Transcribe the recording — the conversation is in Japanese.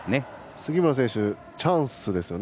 杉村選手、チャンスです。